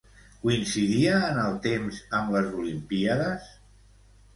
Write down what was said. Coincidia en el temps amb les Olimpíades?